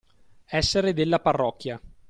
Essere della parrocchia.